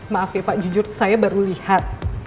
maaf ya pak jujur saya baru lihat